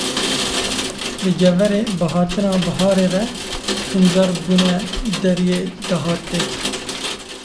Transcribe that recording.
Li Geverê bi hatina biharê re pincar bûne deriyê dahatê.